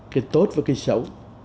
cái tốt và cái xấu